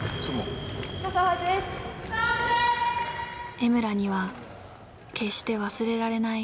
江村には決して忘れられない